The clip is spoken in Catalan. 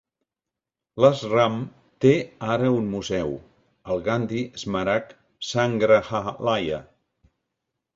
L'asram té ara un museu, el Gandhi Smarak Sangrahalaya.